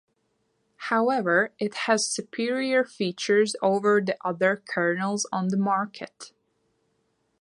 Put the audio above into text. However, it has superior features over the other kernels on the market.